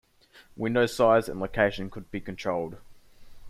Window size and location could be controlled.